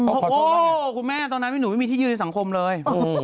โอ้โหคุณแม่ตอนนั้นพี่หนูไม่มีที่ยืนในสังคมเลย